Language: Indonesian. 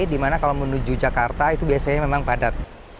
dimana kalau menuju jakarta itu biasanya memang padat